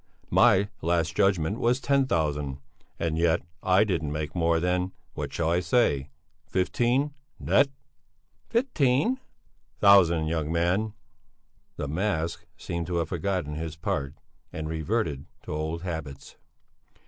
My Last Judgment was ten thousand, and yet I didn't make more than what shall I say? fifteen net." "Fifteen?" "Thousand, young man!" The mask seemed to have forgotten his part and reverted to old habits.